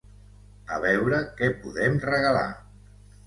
A veure què podem regalar.